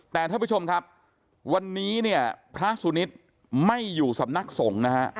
แต่ท่านผู้ชมครับวันนี้เนี่ยพระสุนิทไม่อยู่สำนักสงฆ์นะฮะ